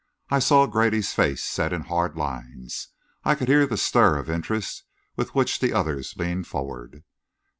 I saw Grady's face set in hard lines; I could hear the stir of interest with which the others leaned forward....